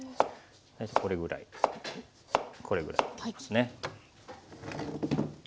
これぐらいこれぐらいにしますね。